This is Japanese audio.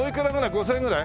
５０００円ぐらい？